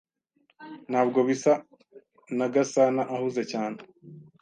Ntabwo bisa na Gasanaahuze cyane.